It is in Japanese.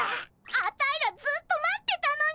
アタイらずっと待ってたのに！